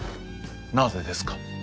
「なぜですか？」。